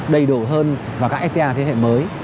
đầy độ hơn và gãi ca thế hệ mới